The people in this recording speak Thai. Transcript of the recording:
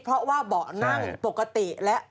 เพราะว่าเบาะนั่งปกติและ